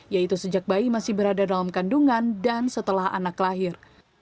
yaitu sejak bayi masih berada dalam kandungan dan setelah anak lahir